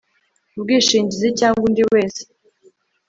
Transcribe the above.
ubwishingizi cyangwa undi wese